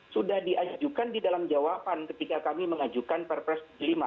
sudah diajukan di dalam jawaban ketika kami mengajukan perpres tujuh puluh lima